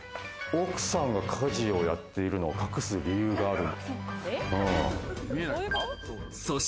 奥さんが家事をやっているのを隠す理由がある。